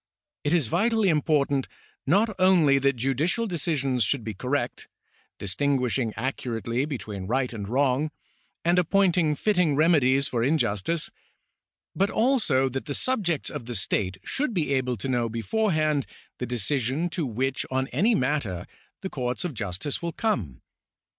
It is vitally important not only that judicial decisions should be correct, distinguishing accurately between right and wrong, and appointing fitting remedies for injustice, but also that the subjects of the state should be able to know beforehand the decision to which on any matter the courts of justice will come.